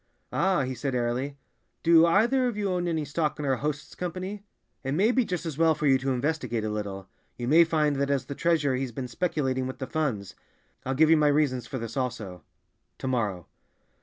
"Ah," he said airily, "do either of you own any stock in our host's Company? It may be just as well for you to investigate a little; you may find that as the treasurer he's been speculating with the funds. I'll give you my reasons for this also—to morrow."